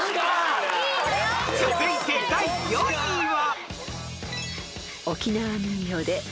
［続いて第４位は］